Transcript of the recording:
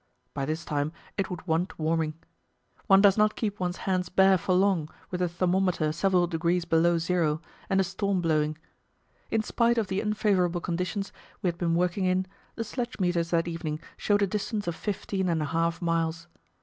By this time it would want warming. One does not keep one's hands bare for long with the thermometer several degrees below zero and a storm blowing. In spite of the unfavourable conditions we had been working in, the sledge meters that evening showed a distance of fifteen and a half miles.